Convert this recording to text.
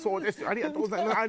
ありがとうございます」。